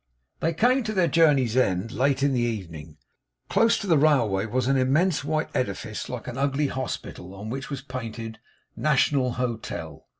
They came to their journey's end late in the evening. Close to the railway was an immense white edifice, like an ugly hospital, on which was painted 'NATIONAL HOTEL.